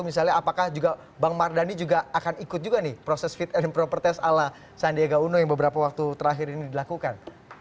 misalnya apakah juga bang mardhani juga akan ikut juga nih proses fit and proper test ala sandiaga uno yang beberapa waktu terakhir ini dilakukan